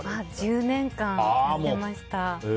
１０年間、やってました。